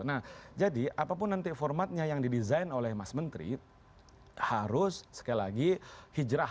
nah jadi apapun nanti formatnya yang didesain oleh mas menteri harus sekali lagi hijrah